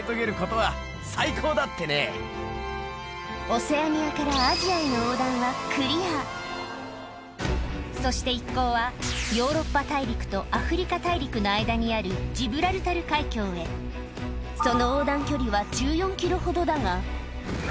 オセアニアからアジアへの横断はそして一行はヨーロッパ大陸とアフリカ大陸の間にあるジブラルタル海峡へそのあぁ。